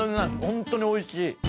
ホントに美味しい。